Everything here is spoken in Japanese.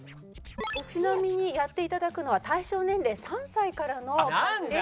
ちなみにやって頂くのは対象年齢３歳からの。なんだ！